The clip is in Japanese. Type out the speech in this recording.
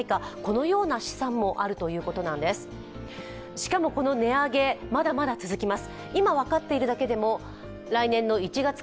しかも、この値上げまだまだ続きます。